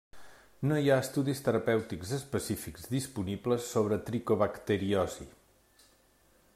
No hi ha estudis terapèutics específics disponibles sobre tricobacteriosi.